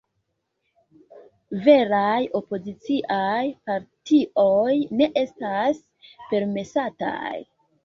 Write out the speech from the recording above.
Veraj opoziciaj partioj ne estas permesataj.